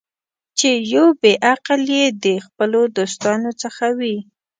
چې یو بې عقل یې د خپلو دوستانو څخه کوي.